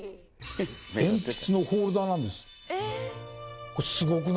鉛筆のホルダーなんです。